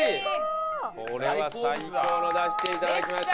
これは最高のを出して頂きました。